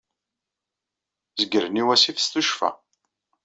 Zeggren i wassif s tuccfa.